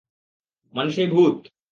মানে সেই ভূত?